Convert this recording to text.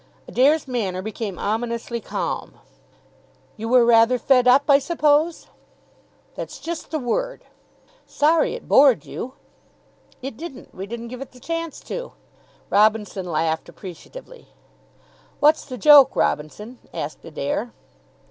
Adair's manner became ominously calm. "You were rather fed up, I suppose?" "That's just the word." "Sorry it bored you." "It didn't. We didn't give it the chance to." Robinson laughed appreciatively. "What's the joke, Robinson?" asked Adair.